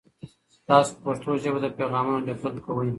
تاسو په پښتو ژبه د پیغامونو لیکل کوئ؟